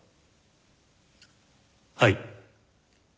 はい。